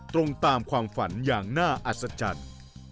ตรงตามความฝันอย่างน่าอัศจรรย์